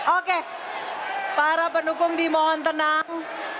oke para pendukung dimohon tenang